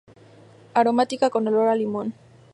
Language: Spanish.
Aromática, con olor a limón